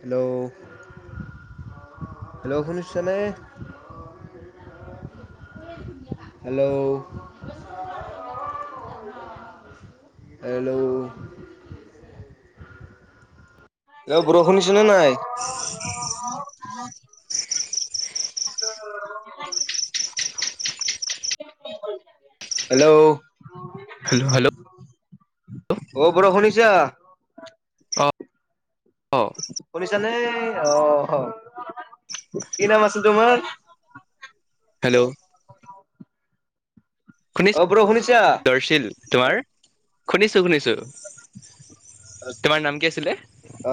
Hello hello শুনিছে নে? Hello. Hello এ বৰষুণ দিছে নে নাই? উম হেল্ল' হেল্ল' হেল্ল' আছা [unintelligible] অ, অ শুনিছা নে, অহ কি নাম আছিল তোমাৰ? হেল্ল' অ শুনিছো বড়ো শুনিছা লৰছিল [unintelligible] তোমাৰ শুনিছোঁ, শুনিছোঁ। অ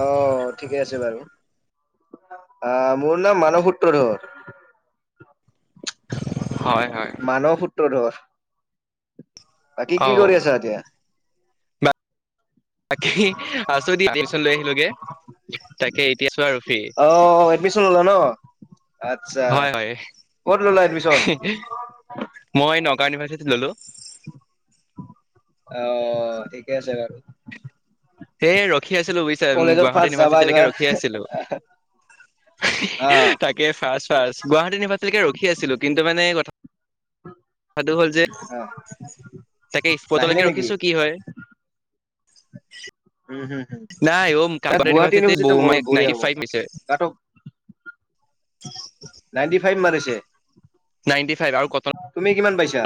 ঠিকে আছে বাৰু অহ মোৰ নাম মানৱ সূত্ৰধৰ। হয়, হয় মানৱ সূত্ৰধৰ বাকী অ কি কৰি আছা এতিয়া? তাকে আছো দিয়া, এডমিচন লৈ আহিলোগে তাকে এতিয়া আছো আৰু ফ্ৰী অ অ এডমিচন ললা ন? আচ্ছা হয় হয় ক'ত ললা এডমিচন? গুৱাহাটী ইউনিভাৰ্চিটিত ললোঁ। অ ঠিকে আছে, বাৰু সে ৰ [unintelligible] ৰখি আছিলোঁ, বুজিছা কলেজত গুৱাহাটী ফাৰ্ষ্ট যাবা ইউনিভাৰ্চিটিলৈকে এইবাৰ ৰখি আছিলোঁ, অ তাকে ফাৰ্ষ্ট ফাৰ্ষ্ট গুৱাহাটী ইউনিভাৰ্ছিটিলৈকে ৰখি আছিলো, কিন্তু মানে কথা সাধু হ'ল যে, অ তাকে নাহিলে সফতলৈকে নেকি ৰখিছো কি হয়? [inaudible] উম, হম, হম নাই অ' এ গুৱাহাটী ইউনিভাৰ্চিটি মোৰ বঢ়িয়া নাইনটি হব ফাইভ আহিছে, তাতো নাইনটি খাই মৰিছে। নাইনটি ফাইভ আৰু কটন পাইছা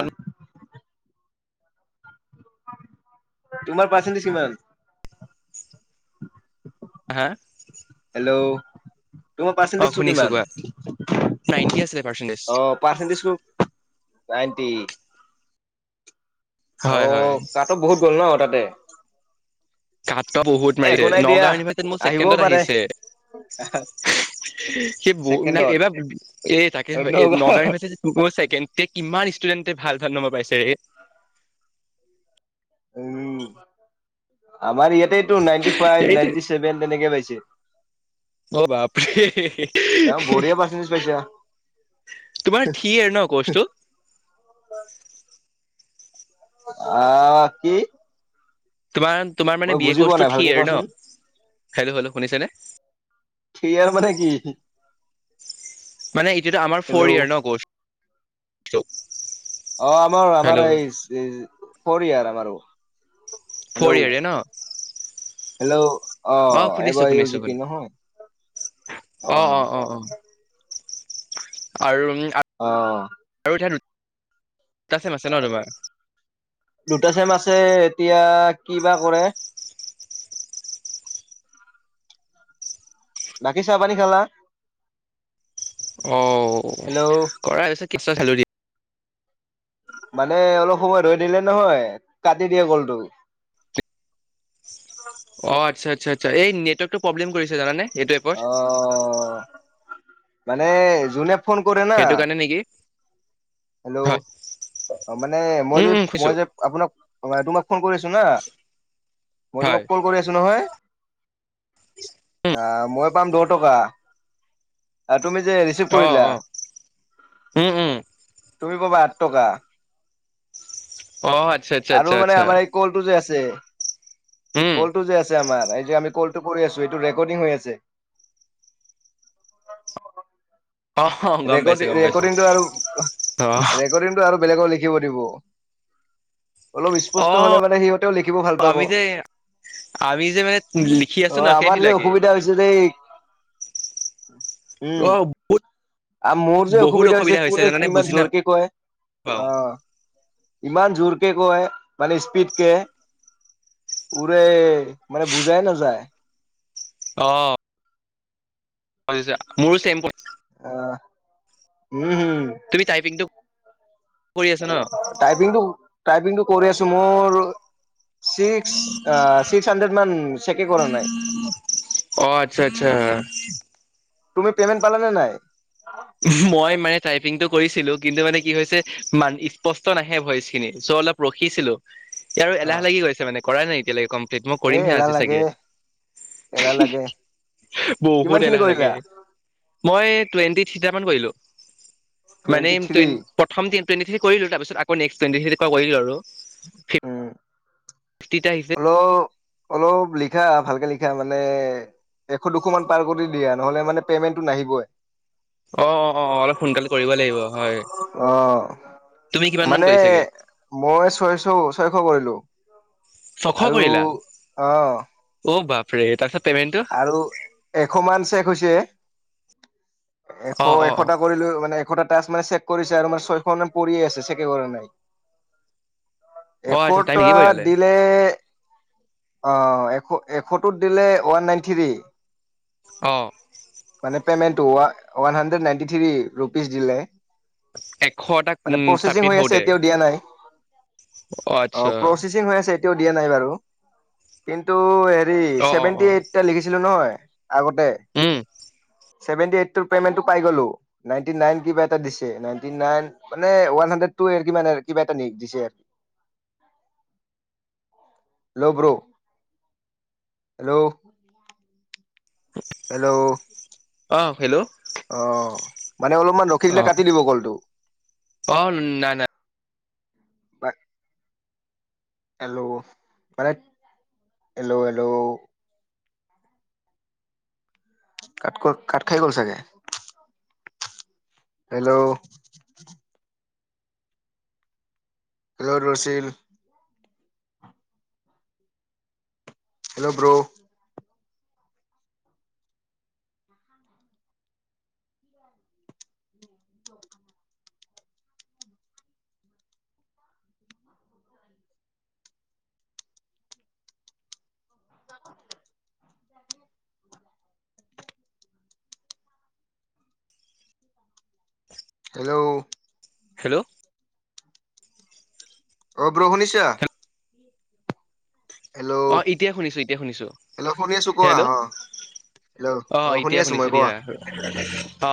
তোমাৰ পাৰ্চেণ্টেজ কিমান? উ [inaudible] হা অ তোমাৰ অ পাৰ্চেন্টেজটো শুনিছো কিমান কোৱা নাইনটি আছিলে পাৰ্চেন্টেজ। অ পাৰ্চন্টেজ নাইণ্টি। অ হয় হয় কাট অফ বহুত গ'ল ন তাতে। [inaudible] [inaudible] ত বহুত এ মাৰিছে একো নাই দিয়া নগাও ইউনিভাৰ্চিটিত মোৰ আহিবও ছেকেণ্ডত পাৰে আহিছে সেই বো ছেকেণ্ডত এইবাৰ এ তাকে কয় নগাও ইউনিভাৰ্চিটিত মোৰ ছেকে কিমান ষ্টুডেণ্ট । ভাল ভাল নম্বৰ পাইছে। উম আমাৰ ইয়াতেতটো নাইনটি ফাইভ এইটোৱে। নাইনটি ছেভেন তেনেকে পাইছে। [unintelligible] অ বাপৰে, ন বঢ়িয়া পাৰ্চেন্টেজ পাইছা তোমাৰ থি ইয়েৰ ন কৰ্চটো? আহ কি। তোমাৰ তোমাৰ মানে মই বি এ বুজি পোৱা কোৰ্চটো নাই ঠি ভালকে এৰ। ন কোৱাচোন হেল্ল' হেল্ল' শুনিছনে? থ্ৰী ইয়াৰ মানে কি মানে এইটো ত আমাৰ ফ'ৰ হেল্ল' ইয়াৰ ন কৰ্চ। [unintelligible] অ আমাৰ আমাৰ এইযে। ফৰি ইয়াৰ আমাৰো। ফ'ৰ হেল্ল' ইয়েৰে ন? হেল্ল' অ শুনিছো এবাই শুনিছো জিকি শুনি নহয় অ। আৰু উম। অ। দুটা চেম আছে ন তোমাৰ। দুটা চেম আছে এতিয়া কি বা কৰে। বাকী চাহ পানী খালা। অ হেল্ল' কৰা হৈছে কেছা চালু দি।। মানে অলপ সময় ধৰি দিলে নহয় কাটি দিয়ে গলটো । আচ্চা আচ্চা এই নেৱকটো প্ৰব্লেম কৰিছে জানানে । এইটো অ এপৰ। মানে যোনে। ফোন কৰে না। সেইটো কাৰণে নেকি হয় হেল্ল'। অ মানে মই উম যে উম শুনিছো মই যে আপোনাক তোমাক ফোন কৰিছো না মই হয় তোমাক কল কৰি আছো নহয় আ ম‌ই । পাম দহ টকা। তুমি যে ৰিচিভ অ কৰিলা। অ উম উম তুমি ক'বা আঠ টকা। অ আচ্ছা আচ্ছা আচ্ছা আচ্ছা? টো। উম কলটো যে আছে আমাৰ। যে আমি কলটো কৰি আছো এইটো ৰেকৰ্ডিং হৈ আছে? অ গম ৰেক পাইছো গম পাইছো ৰেকৰ্ডিংটো আৰু অ ৰেকৰ্ডিংটো আৰু বেলেগ। কি কৰিব? অলপ অ স্পষ্ট হলে মানে সিহঁতেও লিখিব ভাল পাব আমি যে আমি যে মানে লিখি অ আছো ন আমাৰ যে সেইবিলাকে অসুবিধা হৈছে যে উম। অ বহুত আৰু মোৰ যে বহুত অসুবিধা হৈছে কোনে জানানে কিমান বুজি জোৰকে কয় নাপাও অ ইমান জোৰকে। ক মানে স্পীড কে উৰে মানে বুজাই নাযায়। আহ ছ মোৰ চেম্প। অ উম হম তুমি টাইপিংটো কৰি আছে ন। টাইপিংটো টাইপিংটো কৰি আছো মোৰ। ছিক্স আহ ছিক্স হানড্ৰেড মান চেকে কৰা নাই? অ আচ্ছা আচ্ছা তুমি পেমেণ্ট পালা নে নাই? মই মানে টাইপিংটো কৰিছিলো কিন্তু মানে কি হৈছে ম স্পষ্ট নাহে ভইচ খিনি চ' অলপ ৰখিছিলো? ই আৰু এলাহ অ' লাগি গৈছে মানে। কৰাই নাই এতিয়ালৈকে কম। মই এ কৰিমহে এলাহ আজি লাগে চাগে এলাহ লাগে বহুত কিমান খিনি এলাহ লাগে কৰিলা? মই টুৱেণ্টি। চিটামান কলো। মানে টুৱেণ্টি থ্ৰী প্ৰথম দিন। টুৱেটি থ্ৰী কৰিলো তাৰপিত আকৌ নেক্সট টাইম কৰিলো আৰু। উম ফিফটিটা আহিছে হ্ল' অলপ লিখা ভালকে লিখা মানে এশ দুশ মান পাৰ কৰি দিয়া নহলে মানে পেমেন্টটো নাহিবই? অ অ অ অ অলপ সোনকালে। কৰিব লাগিব? হয় আহ তুমি কিমান মান মানে কৰিছাগে মই ছয়শ ছয়শ কৰিলো ছশ আৰু আহ। এটা আৰু এশ মান চেক হৈছে? এশ অ অ অ এশটা কৰিলো মানে। এশটা মানে চেক কৰিছে আৰু মানে ছয়খন মানে পৰিয়ে আছে চেকে কৰে অ নাই। আচ্ছা টাইম এশতা লাগিব তেতিয়াহ'লে দিলে অ এশ এশতোত দিলে ওৱান নাইনটি থ্ৰী। অ মানে পেমেণ্টো one hundred ninety three rupees দিলে। এশটা মানে উম প্ৰচচিং চাবমিট হৈ আছে, হওঁতে এতিয়াও দিয়া নাই অ' প্ৰচেচিং হৈ আছে। এতিয়াও দিয়া নাই বাৰু, কিন্তু হেৰি, অ অ অ চেভেন্তি এইটটা লিখিছিলো নহয়। আগতে উম, ছেভেন্তি এইটটোৰ পেমেণ্টটো পাই গলো। নাইটি নাইন কিবা এটা দিছে, নাইটি নাইন মানে ওৱান হান্দ্ৰেদটোৱে কিবা এটা দিছে, হেল্ল', ব্ৰ' হেল্ল' হেল্ল' অ হেল্ল' অহ, মানে অলপমান ৰখি অ দিলে কাটি দিব কলটো। [inaudible] অ নাই নাই হেল্ল' হেল্ল' হেল্ল' কাত ক কাট খাই গ'ল চাগে। হেল্ল' হেল্ল', দুৰচিল। হেল্ল' ব্ৰ' [unintelligible] হেল্ল' হেল্ল', অ' ব্ৰ, সুণিছা? অ' এতিয়াই শুনিছো, এতিয়া শুনিছো হেল্ল' শুনি আছো কোৱা হেল্ল', অ হেল্ল' অ' শুনি এতিয় আছো শুনিছো মই কোৱা দিয়া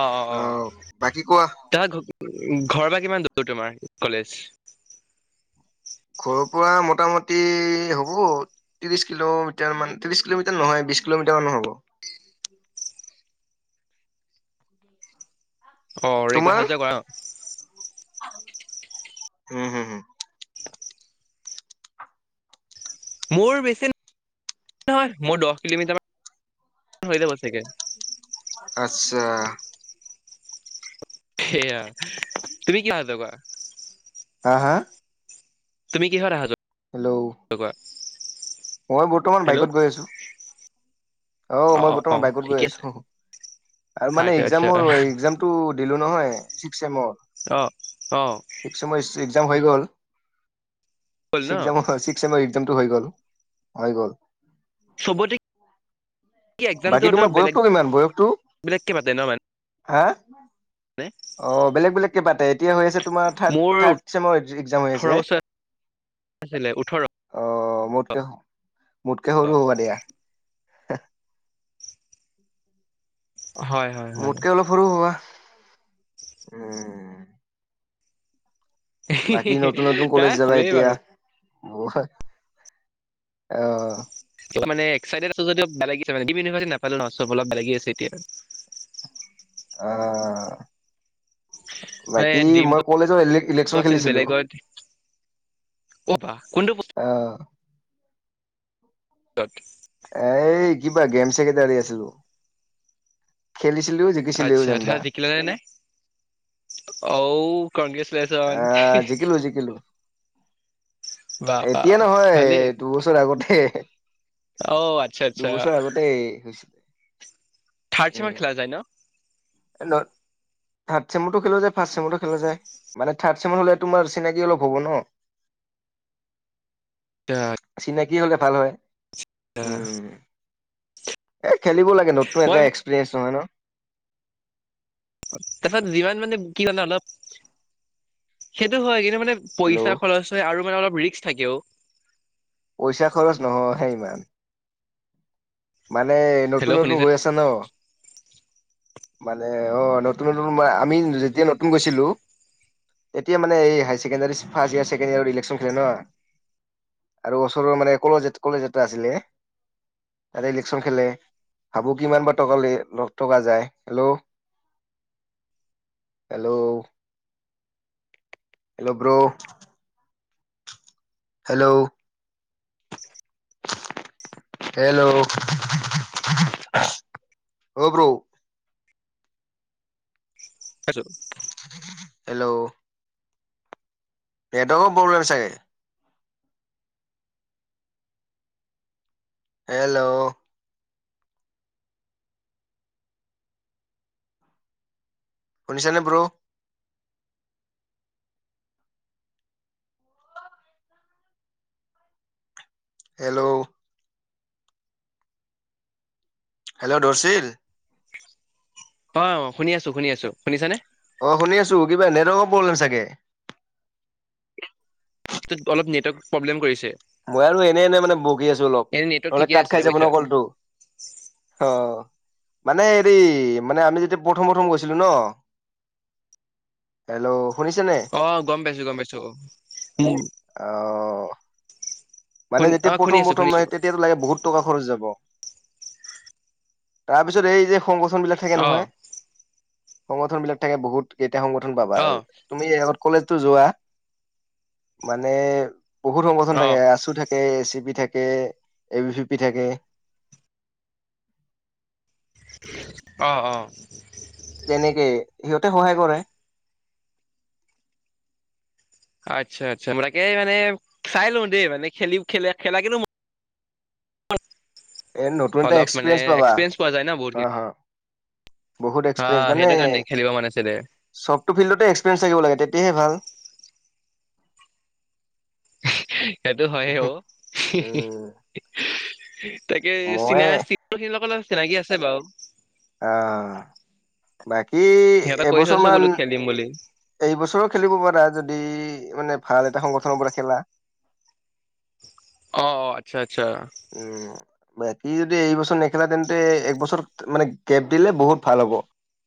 অ অ অ বাকী কোৱা ত ঘৰ বা কিমান দূৰ তোমাৰ কলেজ? ঘৰৰ পৰা মোটামুটি হ'ব, ত্ৰিশ কিলোমিটাৰ মান ত্ৰিশ কিলোমিটাৰ নহয়, বিশ কিলোমিটাৰ মানো হ'ব। অ' ৰেগুলাৰ তোমাৰ অহা যোৱা কৰা ন? উম' হম' হ', মোৰ বেছি নহয় মোৰ দহ কিলোমিটাৰ হৈ যাব চাগে। আচ্ছা'। সেয়া, তুমি কিহে অহা যোৱা কৰা? হা হা তুমি কিহৰ আহা যোৱা হেল্ল' কৰা মই বৰ্তমান হেল্ল' বাইকত গৈ আছো। অ' মই বৰ্তমান বাইকত গৈ আছো আৰু মানে আচ্ছা আচ্ছা এক্সাম এক্সামটো দিলো নহয় ছিক্স চেমৰ। আহ-আহ, একজাম হৈ গ'ল। হ'ল ন ছিক্স এক্সাম ছিক্স ছেমৰ, টো হৈ গ'ল, হৈ গ'ল। চবতে। কি এক্জামটো বাকী তোমাৰ অলপ বেলেগ বয়সটো কিমান বয়সটো বেলেগকে পাতে ন হা। মানে অ বেলেগ বেলেগ কিবাতে এতিয়া হৈ আছে। তোমাৰ থাৰ্ত মোৰ থাৰ্তচেমৰ একজাম হৈ ওঠৰ আছে বছৰ আছিলে ওঠৰ অ। মোতকে হ মোতকে সৰু হ'বা দিয়া। হে হয় হয় হয় মোতকে অলপ সৰু হ'বা। উম। বাকী নতুন নতুন কলেজ তাই যাবা সৰুৱে এতিয়া। বাৰু মই অহ। কিবা মানে এক্সইটেড আছোঁ যদি বেয়া লাগি আছে মইউনিভাৰ নাপালে ন চব অলপ ব লাগি আছে এতিয়া। অহ মানে বাকী মই ড্ৰিমটো কলেজৰ ইলেকচন আছিল খেলিছিলোঁ বেলেগত অ বা কোনটো অহ। পোষ্টত এই কিবা গেম ছেক্ৰেটাৰী আছিলো খেলিছিলো জিকিছিলোও আতচ্ছা থাত যেনিবা সিকিলা নে নাই অঔ। কংগ্ৰেছ শ্লেলেচন। আহ জিকিলো জিকিলো এতিয়া নহয় দুবছৰ আগত হে এহে অহঔ আচ্ছা আচ্ছা হৈছিলে থাৰ্ড চেমৰ খেলা যায় ন। হেল্ল থাৰ্ড চেমতো খেলো যে ফাৰ্ষ চেমতো খেলো যে মানে থাৰ্ড চেমত হ'লে তোমাৰ চিনাকি অলপ হ'ব ন। ত কি হ'লে ভাল হয়। এ হেইত খেলিব লাগে নতুন এ একসপিৰিয়ঞ্চ নহয় ন। তাৰ পিছত যিমান মানে কি জান অলপ সেইটো হয় কিন্তু মানে। হেল্ল' পইচা খৰচ হয় আৰু মানে অলপ ৰিক্স থাকে অ। পইচা খৰচ নহওঁহে ইমান। মানে নতুন হেল্ল' নতুন শুনিছে গৈ আছা ন! মানে অ নতুন নতুন ম আমি যেতিয়া নতুন গৈছিলোঁ, তেতিয়া মানে এই high secondary first year second ইয়াৰত ইলেকশ্যন খেলে ন। আৰু ওচৰৰ মানে কলেজ কলেজ এটা আছিলে, তাতে ইলেকশচন খেলে ভাবোঁ কিমান বা টকা ল টকা যায় hello hello. Hello bro. Hello hello অ ব্ৰু। হেল্ল' । নটৱকৰ প্ৰব্লেম চাগে। হেল্ল' শুনিছানে ব্ৰো হেল্ল' হেল্ল' দৰচিল অ শুনি আছো, শুনি আছো, শুনিছানে? অ শুনি আছো কিবা নেটৱৰ্কৰ প্ৰব্লেম চাগে । অলপ নেটৱৰ্ক প্ৰব্লেম কৰিছে। মই আৰু এনেই এনে মানে বকি আছো অলপ এনে নেটৱৰ্ক নহ'লে ঠিকে কাট আছিলে খাইযাব ন বুজিছা কলটো। অ মানে হেৰি মানে, আমি যেতিয়া প্ৰথম প্ৰথম গৈছিলো ন হেল্ল' শুনিছেনে অহ গম পাইছো গম পাইছো । উ অ মানে যেতিয়া প্ৰথম প্ৰথম শুনিছো লাগে তেতিটো লাগে বহুত টকা খৰচ যাব । তাৰপিছত এই যে সংগঠন বিলাক থাকে অ' নহয়। সংগঠন বিলাক থাকে বহুত। সংগঠন পাবা অ' তুমি আগত। কলেজ টো যোৱা? মানে বহুত সংগঠন থাকে, অ' আছু এচিপি থাকে এ ভি পি থাকে। অঁ অঁ। তেনেকে সিহঁতে সহায় কৰে। আচ্ছা আচ্ছা ম তাকে মানে চাই লওঁ দেই মানে খেলি খা খেলা কিন্ত ম এই নতুন এটা অলপ মানে এক্সপিৰিয়েঞ্চ পাবা। এক্সপিৰিয়েঞ্চ পোৱা যায় ন অ বহুতখিনি হয় । বহুত এক্সপিৰিয়েঞ্চ অ' সেইটো কাৰণে খেলিব মন আছিলে মানে চবতটো ফিল্ডতে এক্সপিৰিয়েঞ্চ থাকিব লাগে, তেতিয়াহে ভাল । সেইটো হয় অঔ, হি হি উম তাকে মই চিনা ফিত সকলৰ চিনাকি আছে বাউ । অ বাকী সিহঁতক কৈ এবছৰ থৈছো মান বোলো খেলিম বুলি এইবছৰো খেলিব পাৰা যদি মানে ভাল এটা সংগঠনৰ পৰা । খেলা । অ অ আচ্ছা আচ্ছা। উম বেক সি যদি এইবছৰ নেখেলা তেন্তে একবছৰত মানে গেপ দিলে, বহুত ভাল হ'ব।